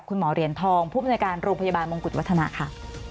คุณหมอเหรียญทองผู้บริการโรงพยาบาลมงกุฎวัฒนาค่ะ